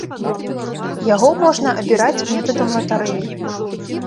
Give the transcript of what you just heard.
Яго можна абіраць метадам латарэі.